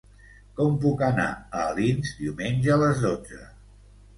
Com puc anar a Alins diumenge a les dotze?